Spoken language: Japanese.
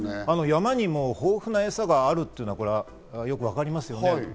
山にも豊富な餌があるということがわかりますね。